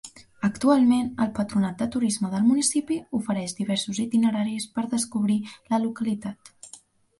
Actualment el patronat de turisme del municipi ofereix diversos itineraris per descobrir la localitat.